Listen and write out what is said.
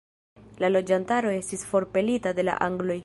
La loĝantaro estis forpelita de la angloj.